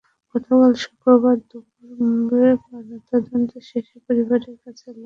গতকাল শুক্রবার দুপুরে ময়নাতদন্ত শেষে পরিবারের কাছে লাশ হস্তান্তর করা হয়েছে।